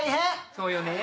そうよね。